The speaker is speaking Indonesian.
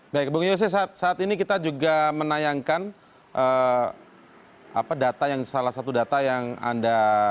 baik bung yose saat ini kita juga menayangkan salah satu data yang anda